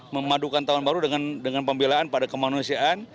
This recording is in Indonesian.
memadukan tahun baru dengan pembelaan pada kemanusiaan